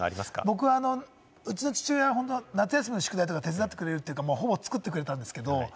僕の父親は夏休みの宿題を手伝ってくれるというか、ほぼ作ってくれるというか。